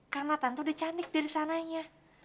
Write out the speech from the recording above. karena tante udah cantik dari sananya